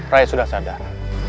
raya sudah sadar